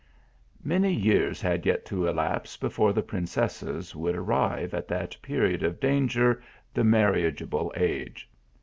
Many years had yet to elapse before the prin cesses would arrive at that period of danger, the marriageable age.